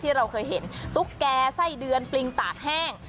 เราเคยเห็นตุ๊กแก่ไส้เดือนปริงตากแห้ง